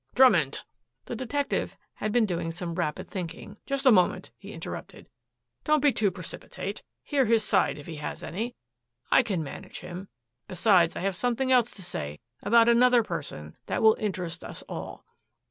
"Drummond!" The detective had been doing some rapid thinking. "Just a moment," he interrupted. "Don't be too precipitate. Hear his side, if he has any. I can manage him. Besides, I have something else to say about another person that will interest us all."